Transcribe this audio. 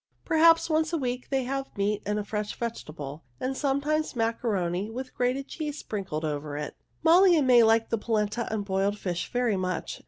Perhaps once a week they have meat and a fresh vegetable, and sometimes macaroni with grated cheese sprinkled over it. Molly and May liked the polenta and boiled fish very much.